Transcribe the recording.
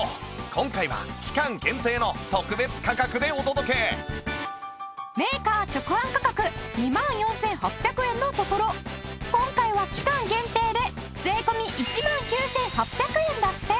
今回は期間限定の特別価格でお届けメーカー直販価格２万４８００円のところ今回は期間限定で税込１万９８００円だって！